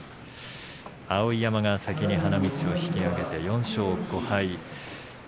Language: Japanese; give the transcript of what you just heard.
碧山が先に花道を引き揚げて４勝５敗。